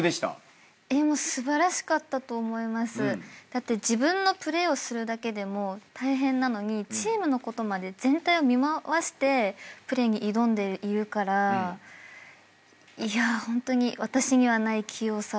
だって自分のプレーをするだけでも大変なのにチームのことまで全体を見回してプレーに挑んでいるからいやホントに私にはない器用さを。